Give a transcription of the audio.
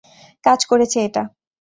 কাজ করেছে এটা।